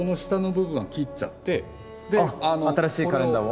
あっ新しいカレンダーを？